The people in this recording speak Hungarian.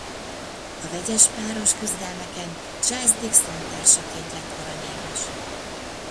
A vegyes páros küzdelmeken Charles Dixon társaként lett aranyérmes.